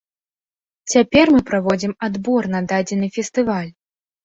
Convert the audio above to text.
Цяпер мы праводзім адбор на дадзены фестываль.